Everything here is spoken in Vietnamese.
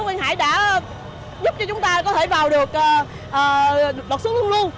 quyên hải đã giúp cho chúng ta có thể vào được đột xuống thương lưu